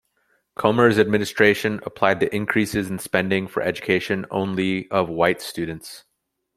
Comer's administration applied the increases in spending for education only of white students.